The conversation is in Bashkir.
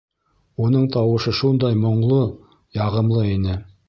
Уның тауышы шундай моңло, яғымлы ине.